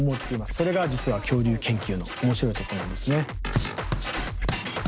それが実は恐竜研究の面白いところなんですね。